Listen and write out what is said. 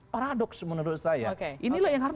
paradoks menurut saya inilah yang harus